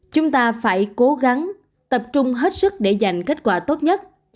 chúng ta phải cố gắng tập trung hết sức để giành kết quả tốt nhất